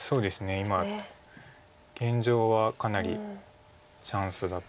今現状はかなりチャンスだと思います。